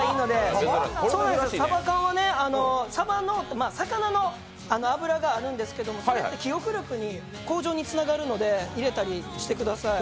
サバ缶は魚の脂があるんですけど、それって記憶力向上につながるので入れたりしてください。